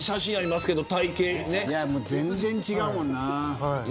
全然、違うもんな。